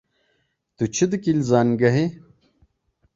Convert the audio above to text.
Tu çi dikî li zanîngehê?